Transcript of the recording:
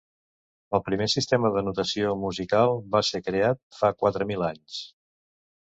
El primer sistema de notació musical va ser creat fa quatre mil anys.